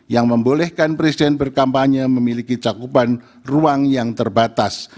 yang membolehkan presiden berkampanye memiliki cakupan ruang yang terbatas